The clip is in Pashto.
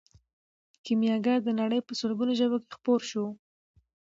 کیمیاګر د نړۍ په لسګونو ژبو کې خپور شو.